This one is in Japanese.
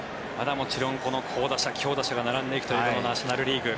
もちろん好打者、強打者が並んでいくというナショナル・リーグ。